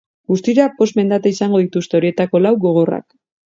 Guztira bost mendate izango dituzte, horietako lau gogorrak.